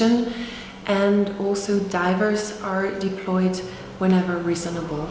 dan juga penyelam diperluas saat yang beres